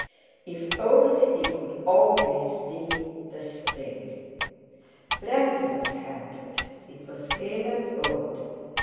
"If only it could always be the spring!" Brandy was handed; it was pale and old.